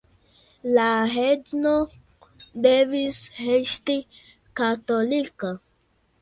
La „regno“ devis resti katolika.